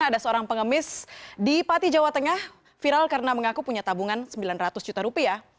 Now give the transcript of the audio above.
ada seorang pengemis di pati jawa tengah viral karena mengaku punya tabungan sembilan ratus juta rupiah